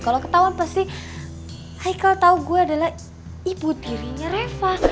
kalo ketahuan pasti haikal tau gue adalah ibu dirinya reva